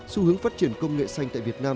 xu hướng phát triển công nghệ xanh tại việt nam